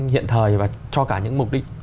hiện thời và cho cả những mục đích